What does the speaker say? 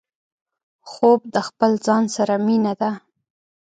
خوب د خپل ځان سره مينه ده